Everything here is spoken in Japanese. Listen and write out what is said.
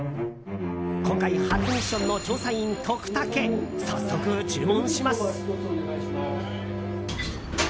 今回、初ミッションの調査員トクタケ早速、注文します！